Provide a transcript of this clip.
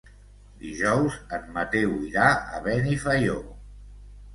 Dijous en Mateu irà a Benifaió.